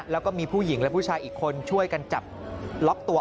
แล้วก็มีผู้หญิงและผู้ชายอีกคนช่วยกันจับล็อกตัว